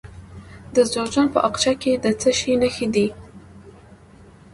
د جوزجان په اقچه کې د څه شي نښې دي؟